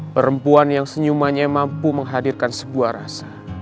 perempuan yang senyumannya mampu menghadirkan sebuah rasa